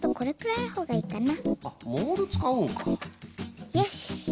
これくらいでいいかな。